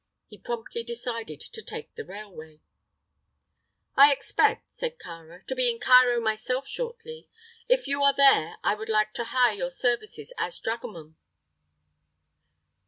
He promptly decided to take the railway. "I expect," said Kāra, "to be in Cairo myself shortly. If you are there, I would like to hire your services as dragoman."